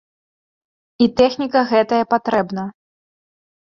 І тэхніка гэтая патрэбна.